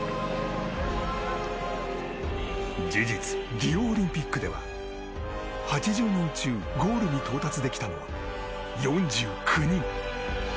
事実、リオオリンピックでは８０人中ゴールに到達できたのは４９人。